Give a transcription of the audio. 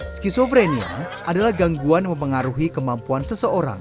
skizofrenia adalah gangguan mempengaruhi kemampuan seseorang